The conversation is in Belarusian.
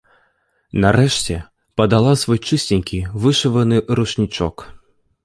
Нарэшце, падала свой чысценькі вышываны ручнічок.